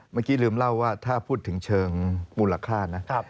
เมื่อกี้ลืมเล่าว่าถ้าพูดถึงเชิงมูลค่านะ